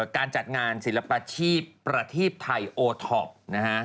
การจัดงานศิลปชีพประทีปไทยโอท็อปนะฮะ